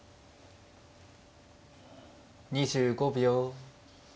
２５秒。